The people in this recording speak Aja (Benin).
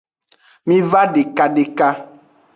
Miva deka deka.